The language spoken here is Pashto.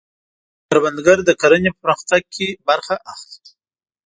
کروندګر د کرنې په پرمختګ کې برخه اخلي